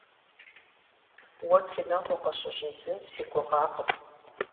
Уэ кином укъыщыщӏидзын си гугъакъым.